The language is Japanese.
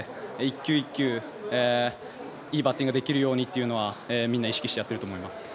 球１球いいバッティングができるようにみんな意識してやっていると思います。